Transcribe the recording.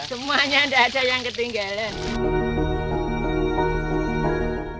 semuanya tidak ada yang ketinggalan